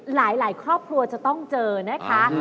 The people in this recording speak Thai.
หลายครอบครัวจะต้องเจอนะคะ